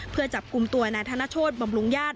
เพื่อจับกลุ่มตัวนายธนโชธบำรุงญาติ